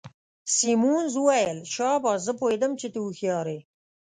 سیمونز وویل: شاباس، زه پوهیدم چي ته هوښیار يې.